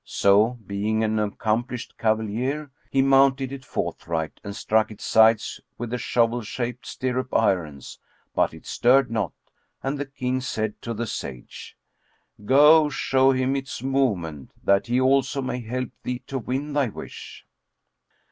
So (being an accomplished cavalier) he mounted it forthright and struck its sides with the shovel shaped stirrup irons; but it stirred not and the King said to the Sage, "Go show him its movement, that he also may help thee to win thy wish."